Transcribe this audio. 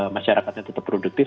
masyarakatnya tetap produktif